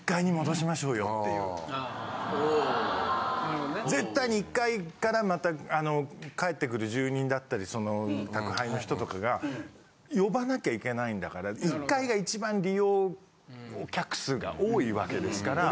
あなるほどね。絶対に１階からまた帰ってくる住人だったり宅配の人とかが呼ばなきゃいけないんだから１階が一番利用客数が多いわけですから。